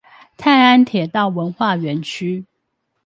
泰安鐵道文化園區